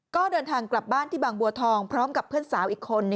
ก็เดินทางกลับบ้านที่บางบัวทองพร้อมกับเพื่อนสาวอีกคน